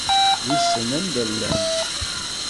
Wissen anda llant.